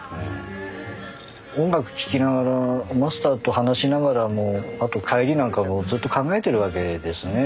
音楽聴きながらマスターと話しながらもあと帰りなんかもずっと考えてるわけですね。